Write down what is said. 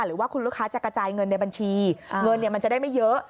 หรือว่าคุณลูกค้าจะกระจายเงินในบัญชีเงินมันจะได้ไม่เยอะ